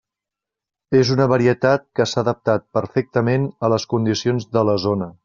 És una varietat que s'ha adaptat perfectament a les condicions de la zona.